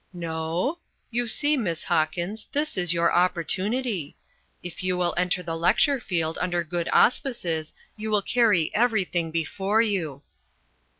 "No? You see, Miss Hawkins, this is your opportunity. If you will enter the lecture field under good auspices, you will carry everything before you."